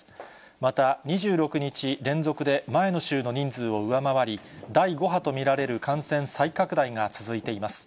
また、２６日連続で前の週の人数を上回り、第５波と見られる感染再拡大が続いています。